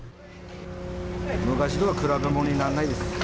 昔とは比べ物にならないです。